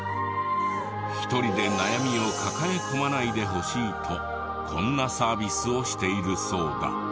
１人で悩みを抱え込まないでほしいとこんなサービスをしているそうだ。